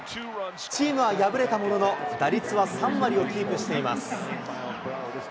チームは敗れたものの、打率は３割をキープしています。